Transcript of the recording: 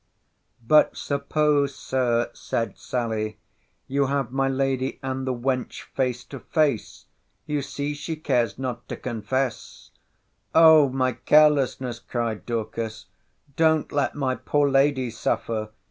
But suppose, Sir, said Sally, you have my lady and the wench face to face! You see she cares not to confess. O my carelessness! cried Dorcas—Don't let my poor lady suffer!